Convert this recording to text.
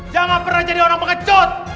jangan pernah jadi orang pengecot